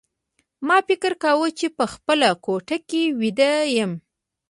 ما فکر کاوه چې په خپله کوټه کې ویده یم